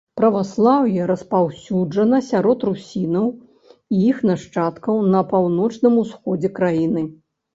Праваслаўе распаўсюджана сярод русінаў і іх нашчадкаў на паўночным усходзе краіны.